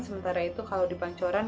sementara itu kalau di pancoran